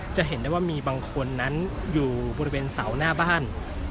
จะเห็นได้ว่ามีบางคนนั้นอยู่บริเวณเสาหน้าบ้าน